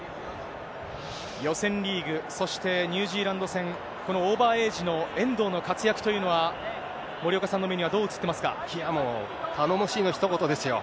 予選リーグ、そしてニュージーランド戦、このオーバーエイジの遠藤の活躍というのは、森岡さいや、もう、頼もしいのひと言ですよ。